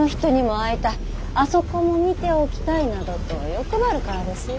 あそこも見ておきたい」などと欲張るからですよ。